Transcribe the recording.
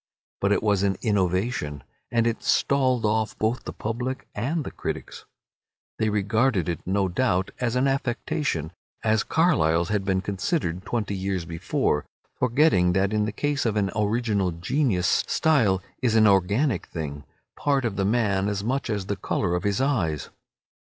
But it was an innovation, and it stalled off both the public and the critics. They regarded it, no doubt, as an affectation, as Carlyle's had been considered twenty years before, forgetting that in the case of an original genius style is an organic thing, part of the man as much as the colour of his eyes.